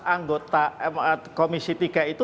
anggota komisi tiga itu